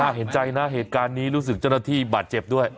เห็นใจนะเหตุการณ์นี้รู้สึกเจ้าหน้าที่บาดเจ็บด้วย